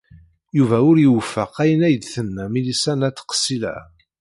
Yuba ur iwufeq ayen ay d-tenna Milisa n At Ksila.